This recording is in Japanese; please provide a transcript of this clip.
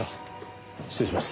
失礼します。